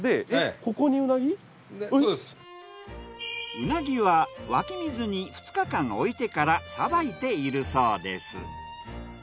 うなぎは湧き水に２日間置いてから捌いているそうです。